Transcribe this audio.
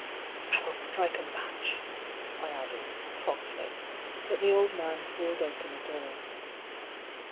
" I will strike a match," I added, crossly ; but the old man pulled open a door.